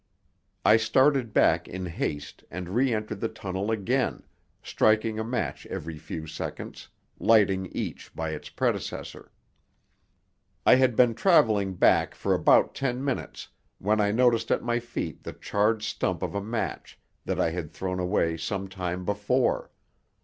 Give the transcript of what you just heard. I started back in haste and reentered the tunnel again, striking a match every few seconds, lighting each by its predecessor. I had been travelling back for about ten minutes when I noticed at my feet the charred stump of a match that I had thrown away some time before.